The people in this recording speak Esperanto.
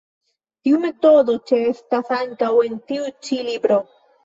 Tiu metodo ĉeestas ankaŭ en tiu ĉi libro.